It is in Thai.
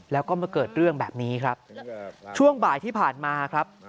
แล้วก็มาเกิดเรื่องแบบนี้ครับช่วงบ่ายที่ผ่านมาครับ